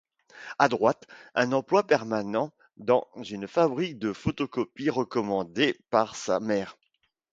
À droite, un emploi permanent dans une fabrique de photocopies recommandée par sa mère.